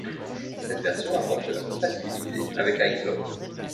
Cette version apporte la compatibilité avec iCloud.